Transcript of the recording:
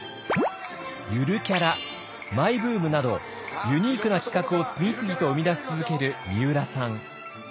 「ゆるキャラ」「マイブーム」などユニークな企画を次々と生み出し続けるみうらさん。